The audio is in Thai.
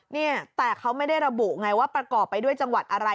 เนี่ยแต่เขาไม่ได้ระบุไงว่าประกอบไปด้วยจังหวัดอะไร